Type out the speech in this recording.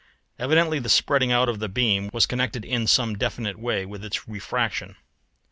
Evidently the spreading out of the beam was connected in some definite way with its refraction.